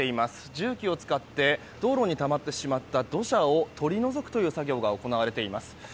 重機を使って道路にたまってしまった土砂を取り除く作業が行われています。